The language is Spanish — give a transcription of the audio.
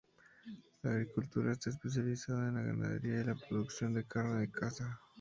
La agricultura está especializada en la ganadería y la producción de carne de caza.